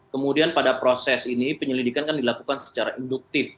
kemudian pada proses ini penyelidikan kan dilakukan secara induktif